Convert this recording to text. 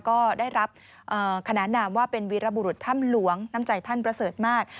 ก็ได้รับขนานนามว่าเป็นวีรบุรุษถ้ำหลวงน้ำใจท่านประเสริฐมาก